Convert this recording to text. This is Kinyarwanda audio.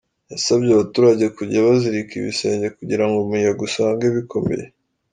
Yasabye abaturage kujya bazirika ibisenge kugira ngo umuyaga usange bikomeye.